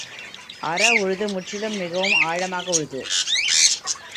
அற உழுது—முற்றிலும் மிகவும் ஆழமாக உழுது.